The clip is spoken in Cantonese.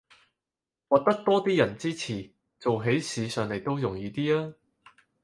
獲得多啲人支持，做起事上來都容易啲吖